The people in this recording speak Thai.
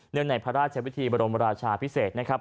ในพระราชวิธีบรมราชาพิเศษนะครับ